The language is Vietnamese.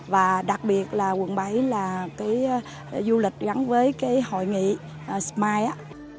và đặc biệt là quận bảy là cái du lịch gắn với cái hội nghị smile á